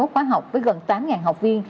hai mươi một khóa học với gần tám học viên